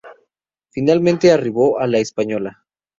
Finalmente arribó a La Española.